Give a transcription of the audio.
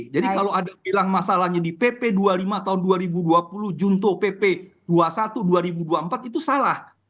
jadi kalau ada bilang masalahnya di pp dua puluh lima tahun dua ribu dua puluh junto pp dua puluh satu dua ribu dua puluh empat itu salah